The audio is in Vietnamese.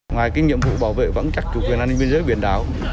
ngoài cái nhiệm vụ bảo vệ vẫn chắc chủ quyền an ninh biên giới biển đảo